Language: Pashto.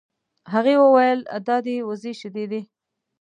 هغې وویل دا د وزې شیدې دي.